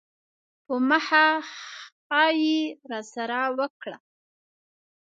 په مخه ښې یې راسره وکړه.